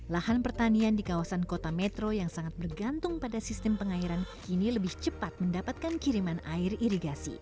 lahan pertanian di kawasan kota metro yang sangat bergantung pada sistem pengairan kini lebih cepat mendapatkan kiriman air irigasi